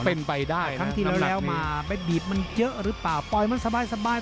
เป็นไปได้นะน้ำหนักนี้ครั้งที่แล้วแล้วมาไปบีบมันเยอะหรือเปล่าปล่อยมันสบายสบาย